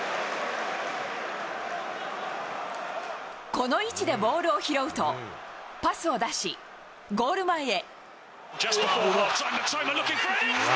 この位置でボールを拾うと、パスを出し、ゴール前へ。